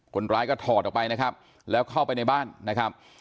คนร้ายก็ถอดออกไปนะครับแล้วเข้าไปในบ้านนะครับ